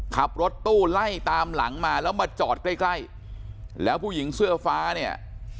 ขับรถตู้ไล่ตามหลังมาแล้วมาจอดใกล้ใกล้แล้วผู้หญิงเสื้อฟ้าเนี่ย